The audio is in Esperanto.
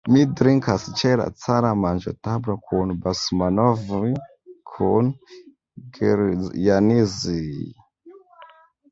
Mi drinkas ĉe la cara manĝotablo kun Basmanov'j, kun Grjaznij'j.